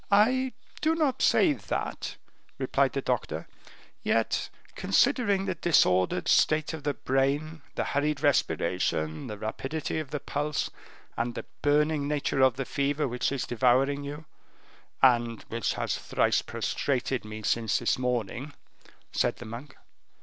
"I do not say that," replied the doctor; "yet, considering the disordered state of the brain, the hurried respiration, the rapidity of the pulse, and the burning nature of the fever which is devouring you " "And which has thrice prostrated me since this morning," said the monk.